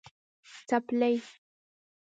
🩴څپلۍ